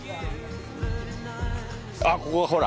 あっここほら。